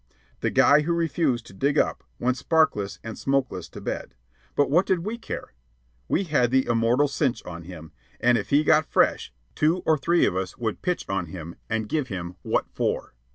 The guy who refused to dig up, went sparkless and smokeless to bed. But what did we care? We had the immortal cinch on him, and if he got fresh, two or three of us would pitch on him and give him "what for."